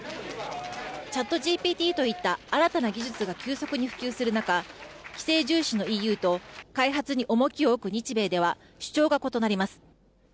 チャットＧＰＴといった新たな技術が急速に普及する中規制重視のＥＵと開発に重きを置く日米では主張が異なります。